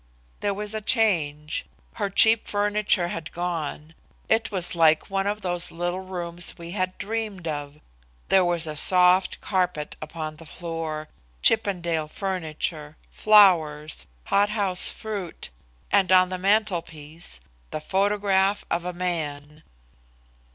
There was a change. Her cheap furniture had gone. It was like one of those little rooms we had dreamed of. There was a soft carpet upon the floor, Chippendale furniture, flowers, hothouse fruit, and on the mantelpiece the photograph of a man."